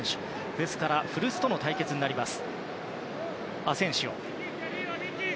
ですから古巣との対決になります。